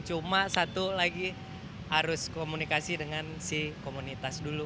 cuma satu lagi harus komunikasi dengan si komunitas dulu